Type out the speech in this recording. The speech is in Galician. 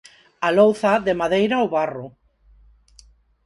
A louza, de madeira ou barro.